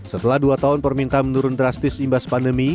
setelah dua tahun permintaan menurun drastis imbas pandemi